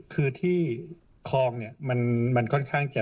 คือที่คลองเนี่ยมันค่อนข้างจะ